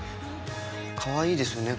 かわいいですね